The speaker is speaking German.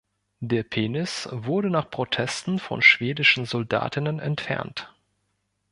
Der Penis wurde nach Protesten von schwedischen Soldatinnen entfernt.